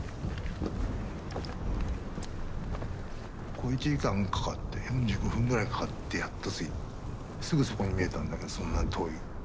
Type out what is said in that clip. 小一時間かかって４５分ぐらいかかってやっと着いてすぐそこに見えたんだけどそんな遠い。